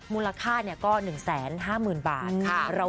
มูลค่าเนี่ยก็๑๕๐๐๐๐บาทค่ะ